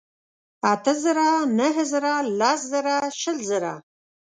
اتۀ زره ، نهه زره لس ژره شل زره